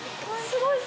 すごい！